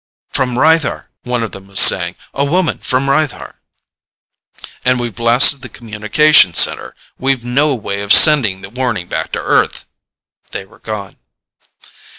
"From Rythar," one of them was saying. "A woman from Rythar!" "And we've blasted the communication center. We've no way of sending the warning back to Earth " They were gone.